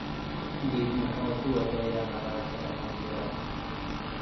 ዲብ ምሖቱ ወድየ - መላጼ ለከንጀረት